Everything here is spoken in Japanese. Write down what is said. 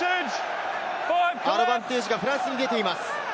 アドバンテージがフランスに出ています。